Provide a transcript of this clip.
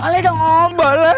boleh dong om boleh